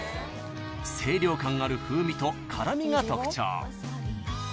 ［清涼感ある風味と辛味が特徴］